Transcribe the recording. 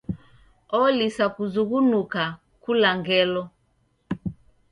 Olisa kuzughunuka kula ngelo.